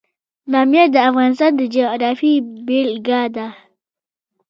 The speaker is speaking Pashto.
بامیان د افغانستان د جغرافیې بېلګه ده.